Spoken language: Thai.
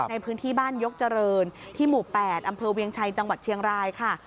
ในพื้นที่บ้านยกเจริญที่หมู่๘อำเภอเวียงชัยจังหวัดเชียงรายค่ะ